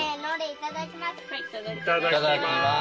いただきます。